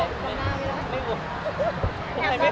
ใช่ไหมเปล่า